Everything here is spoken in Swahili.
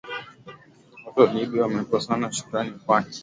watu wa libya wamekosa shukurani kwake